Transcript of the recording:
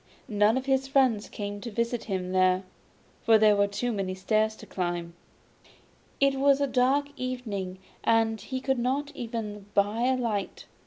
None of his friends came to visit him there, for there were too many stairs to climb. It was a dark evening, and he could not even buy a light.